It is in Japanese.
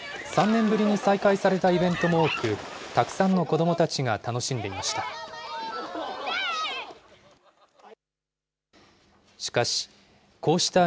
３年ぶりに再開されたイベントも多く、たくさんの子どもたちが楽しんでいました。